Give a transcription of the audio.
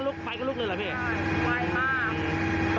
ไม่พี่กลมมาก่อน